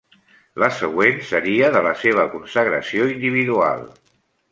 La següent seria de la seva consagració individual.